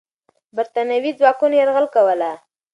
برتانوي ځواکونه یرغل کوله.